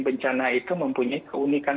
bencana itu mempunyai keunikan